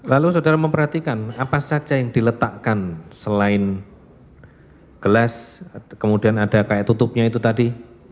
lalu saudara memperhatikan apa saja yang diletakkan selain gelas kemudian ada kayak tutupnya itu tadi